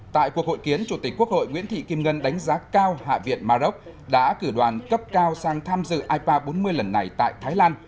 tại cuộc hội kiến chủ tịch quốc hội nguyễn thị kim ngân đánh giá cao hạ viện maroc đã cử đoàn cấp cao sang tham dự ipa bốn mươi lần này tại thái lan